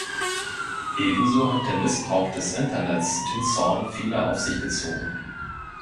Ebenso hat der Missbrauch des Internets den Zorn vieler auf sich gezogen.